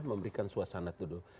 memberikan suasana duduk